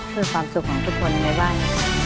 เพื่อความสุขของทุกคนในบ้าน